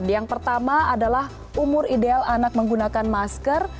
yang pertama adalah umur ideal anak menggunakan masker